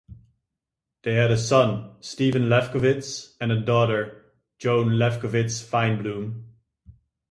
They had a son, Stephen Lefkowitz, and a daughter, Joan Lefkowitz Feinbloom.